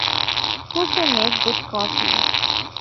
Who can make good coffee?